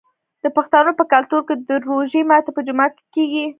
د پښتنو په کلتور کې د روژې ماتی په جومات کې کیږي.